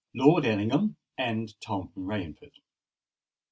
LORD ELLINGHAM AND TOM RAINFORD.